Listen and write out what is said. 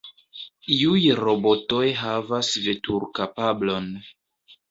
Iuj robotoj havas veturkapablon.